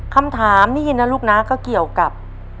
คำถามนี่นะลูกนะก็เกี่ยวกับ